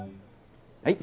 はい。